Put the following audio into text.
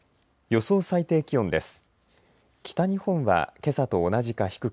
予想最高気温です。